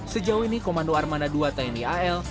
sejauh ini komando armada ii tni al